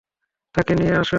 তাকে নিয়ে আস।